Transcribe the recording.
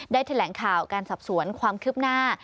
แถลงข่าวการสอบสวนความคืบหน้า